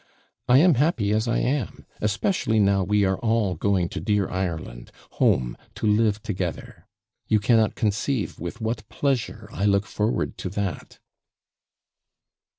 I am happy as I am, especially now we are all going to dear Ireland, home, to live together: you cannot conceive with what pleasure I look forward to that.'